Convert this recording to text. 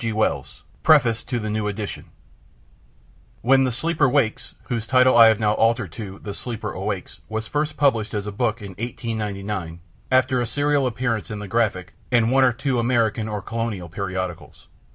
G. WELLS 1899 PREFACE TO THE NEW EDITION When the Sleeper Wakes, whose title I have now altered to The Sleeper Awakes, was first published as a book in 1899 after a serial appearance in the Graphic and one or two American and colonial periodicals.